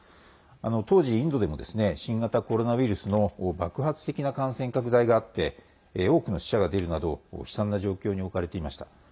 当時、インドでも新型コロナウイルスの爆発的な感染拡大があって多くの死者が出るなど悲惨な状況に置かれていました。